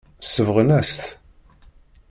Sebɣen-as-t.